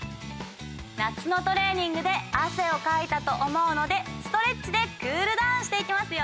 夏のトレーニングであせをかいたとおもうのでストレッチでクールダウンしていきますよ！